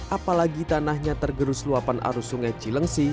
apalagi tanahnya tergerus luapan arus sungai cilengsi